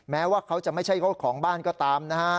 แม้ว่าเขาจะไม่ใช่เจ้าของบ้านก็ตามนะฮะ